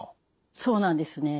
そうなんですね。